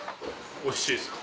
おいしいですか？